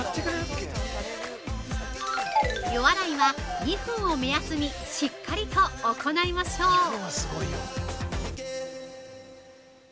◆予洗いは２分を目安に、しっかりと行いましょう！